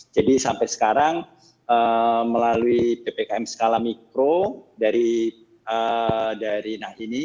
jadi sampai sekarang melalui ppkm skala mikro dari nah ini